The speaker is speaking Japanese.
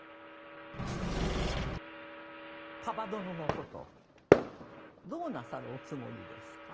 蒲殿のことどうなさるおつもりですか。